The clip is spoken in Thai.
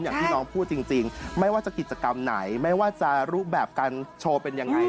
อย่างที่น้องพูดจริงไม่ว่าจะกิจกรรมไหนไม่ว่าจะรูปแบบการโชว์เป็นยังไง